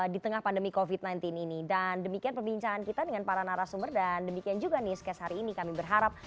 di tengah pandemi covid sembilan belas ini dan demikian perbincangan kita dengan para narasumber dan demikian juga newscast hari ini kami berharap